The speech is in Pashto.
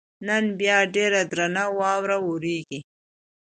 نن بیا ډېره درنه واوره ورېږي.